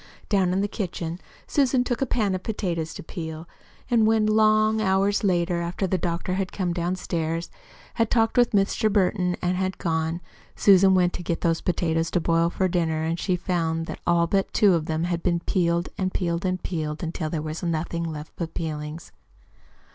Down in the kitchen Susan took a pan of potatoes to peel and when, long hours later, after the doctor had come downstairs, had talked with Mr. Burton, and had gone, Susan went to get those potatoes to boil for dinner, she found that all but two of them had been peeled and peeled and peeled, until there was nothing left but peelings.